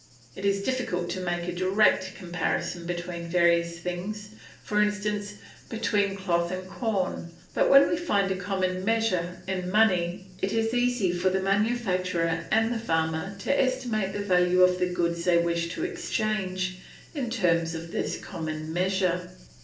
It is difficult to make a direct comparison between various things, for instance, between cloth and corn; but when we find a common measure, in money, it is easy for the manufacturer and the farmer to estimate the value of the goods they wish to exchange in terms of this common measure.